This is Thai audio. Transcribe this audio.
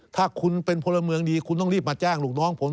ถ้าคุณเป็นพลเมืองดีคุณต้องรีบมาแจ้งลูกน้องผม